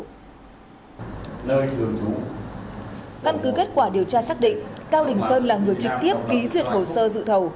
căn cứ kết quả điều tra xác định cao đình sơn là người trực tiếp ký duyệt hồ sơ dự thầu